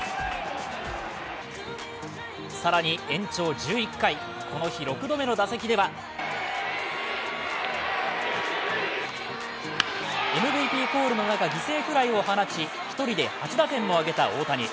更に延長１１回この日６度目の打席ではＭＶＰコールの中、犠牲フライを放ち、１人で８打点も挙げた大谷。